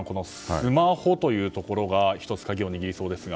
スマホというところが１つ、鍵を握りそうですが。